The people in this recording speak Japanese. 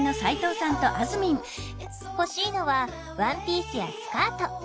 欲しいのはワンピースやスカート。